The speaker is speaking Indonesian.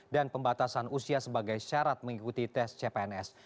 dan pembatasan usia sebagai syarat mengikuti tes cpns